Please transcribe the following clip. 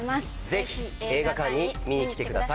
ぜひ映画館に見にきてください。